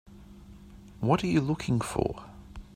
What are you looking for?